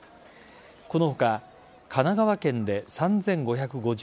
このほか神奈川県で３５５３人